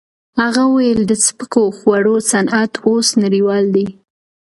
هغه وویل د سپکو خوړو صنعت اوس نړیوال دی.